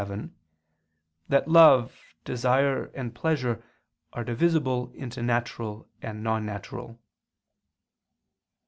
7) that love, desire, and pleasure are divisible into natural and non natural.